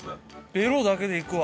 ベロだけでいくわ。